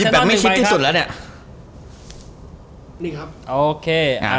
ยิบแบบไม่ชิดที่สุดแล้วเนี่ย